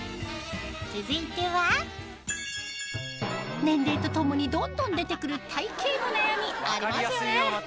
続いては年齢とともにどんどん出て来る体型の悩みありますよね？